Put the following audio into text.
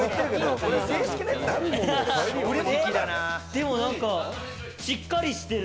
でもなんか、しっかりしてる。